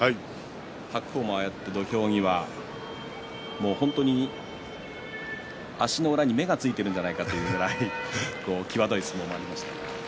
白鵬は土俵際、足の裏に目がついているんじゃないかというくらい際どい相撲もありました。